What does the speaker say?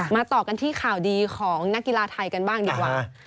ต่อกันที่ข่าวดีของนักกีฬาไทยกันบ้างดีกว่า